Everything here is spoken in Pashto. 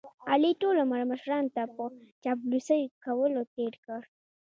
علي ټول عمر مشرانو ته په چاپلوسۍ کولو تېر کړ.